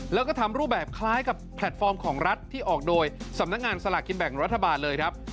แล้วก็ทำรูปแบบคล้ายกับแพลตฟอร์มของรัฐที่ออกโดยสำนักงานสลากกินแบ่งรัฐบาลเลยครับ